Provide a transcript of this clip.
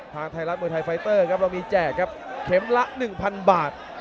ทางไทยรัฐมวยไทยไฟเตอร์ครับเรามีแจกครับเข็มละ๑๐๐บาท